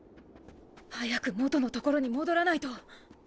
早く元のところに戻らないと。